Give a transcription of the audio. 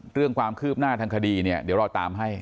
เรื่องความคืบหน้าทางคดีเนี่ยเดี๋ยวเราตามให้